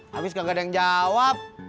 habis gak ada yang jawab